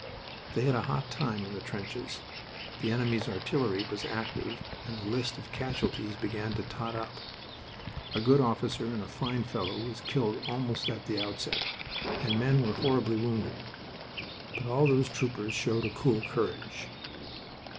They had a hot time in the trenches. The enemy's artillery was active, and the list of casualties began to tot up. A good officer and a fine fellow was killed almost at the outset, and men were horribly wounded. But all those troopers showed a cool courage.